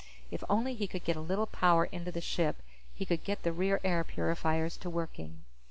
If only he could get a little power into the ship, he could get the rear air purifiers to working.